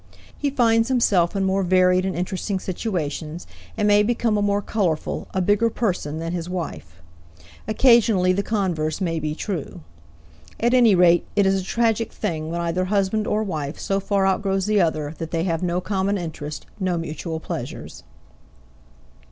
He finds himself in more varied and interesting situations, and may become a more colorful, a bigger person than his wife. Occasionally the converse may be true. At any rate, it is a tragic thing when either husband or wife so far outgrows the other that they have no common interest, no mutual pleasures.